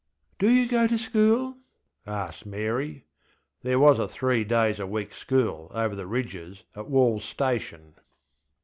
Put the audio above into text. ŌĆśDo you go to school? ŌĆÖ asked Mary. There was a three days a week school over the ridges at WallŌĆÖs station.